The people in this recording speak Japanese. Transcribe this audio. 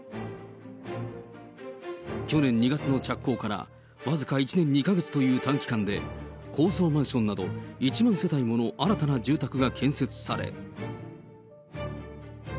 去年２月の着工から僅か１年２か月という短期間で、高層マンションなど１万世帯もの新たな住宅が建設され。